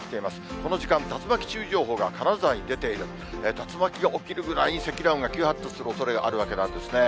この時間、竜巻注意情報が金沢に出ている、竜巻が起きるぐらいに、積乱雲が急発達するおそれがあるわけですね。